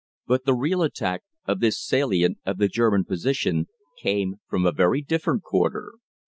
But the real attack on this salient of the German position came from a very different quarter.